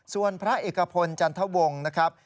ส่วนพระเอกพลจันทวงศ์นะครับ